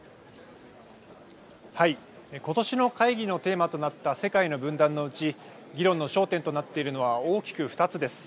今年の会議のテーマとなった世界の分断のうち議論の焦点となっているのは大きく２つです。